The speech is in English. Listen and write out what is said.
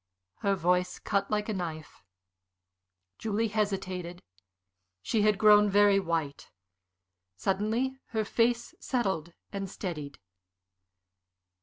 Her voice cut like a knife. Julie hesitated. She had grown very white. Suddenly her face settled and steadied.